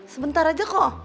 sebentar aja kok